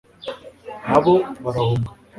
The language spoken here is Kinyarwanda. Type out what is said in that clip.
na bo barahunga